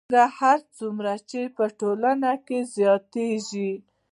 پانګه هر څومره چې په ټولنه کې زیاتېږي